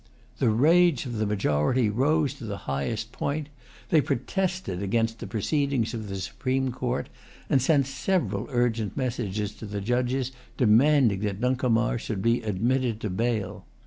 The rage of the majority rose to the highest point. They protested against the proceedings of the Supreme Court, and sent several urgent messages to the Judges, demanding that Nuncomar should be admitted to bail.